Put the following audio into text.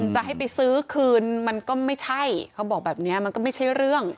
จะให้ไปซื้อคืนมันก็ไม่ใช่เขาบอกแบบนี้มันก็ไม่ใช่เรื่อง